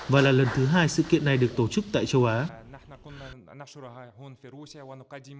và là lần thứ hai sự kiện này được tổ chức tại châu á